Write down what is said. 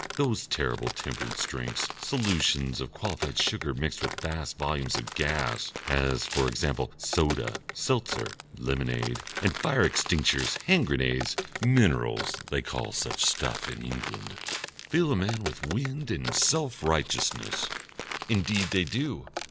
Those terrible Temperance Drinks, solutions of qualified sugar mixed with vast volumes of gas, as, for example, soda, seltzer, lemonade, and fire extincteurs hand grenades minerals, they call such stuff in England fill a man with wind and self righteousness. Indeed they do!